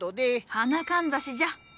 「花かんざし」じゃ。